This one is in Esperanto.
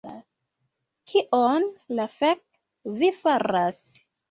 Kion la fek' vi faras